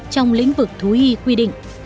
trong lĩnh vực thú y quy định